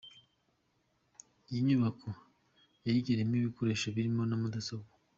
Iyi nyubako yahiriyemo ibikoresho birimo na mudasobwa.